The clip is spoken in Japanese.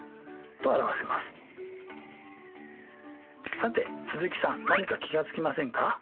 さて鈴木さん何か気が付きませんか？